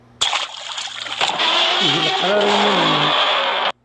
Eg leqrar i yiman-nnem.